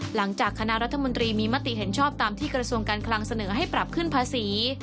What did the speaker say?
หลังจากคณะรัฐมนตรีมีมติเห็นชอบตามที่กระทรวงการคลังเสนอให้ปรับขึ้นภาษี